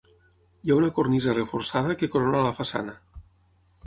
Hi ha una cornisa reforçada que corona la façana.